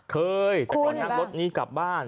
เคยแต่ก่อนนั่งรถนี้กลับบ้าน